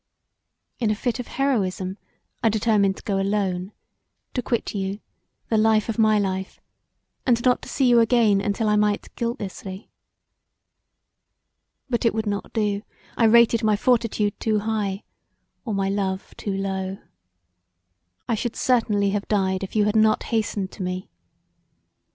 In a fit of heroism I determined to go alone; to quit you, the life of my life, and not to see you again untill I might guiltlessly. But it would not do: I rated my fortitude too high, or my love too low. I should certainly have died if you had not hastened to me.